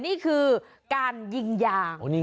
นี่คือการยิงยาง